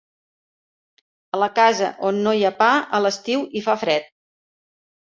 A la casa on no hi ha pa, a l'estiu hi fa fred.